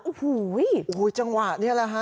อู้หู้ยจังหวะนี้แหละฮะ